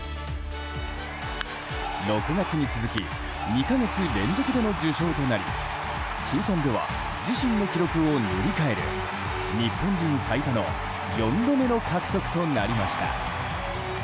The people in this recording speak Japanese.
６月に続き２か月連続での受賞となり通算では自身の記録を塗り替える日本人最多の４度目の獲得となりました。